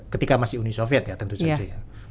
ketika masih uni soviet ya tentu saja